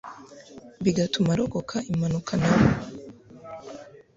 bigatuma arokoka impanuka nawe